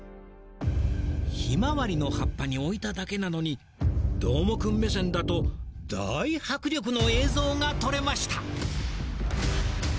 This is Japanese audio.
ひまわりの葉っぱに置いただけなのにどーもくん目線だと大迫力の映像が撮れました！